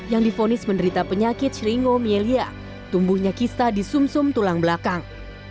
yang difonis menderita penyakit shringomeelia tumbuhnya kista di sum sum tulang belakang